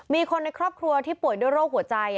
มีคนในครอบครัวที่ป่วยด้วยโรคหัวใจ